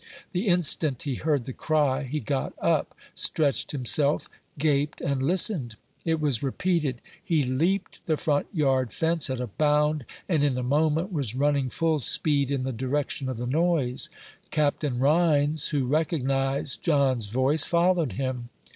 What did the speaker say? The instant he heard the cry, he got up, stretched himself, gaped, and listened. It was repeated. He leaped the front yard fence at a bound, and in a moment was running full speed in the direction of the noise. Captain Rhines, who recognized John's voice, followed him.